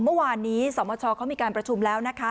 เมื่อวานนี้สมชเขามีการประชุมแล้วนะคะ